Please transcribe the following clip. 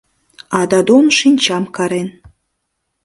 А Дадон шинчам карен.